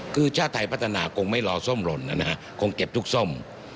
คือชาติไทยพัฒนาคงไม่รอส้มหล่นนะฮะคงเก็บทุกส้ม